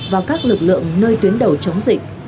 và các lực lượng nơi tuyến đầu chống dịch